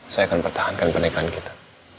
saya akan pertahankan pernikahan kita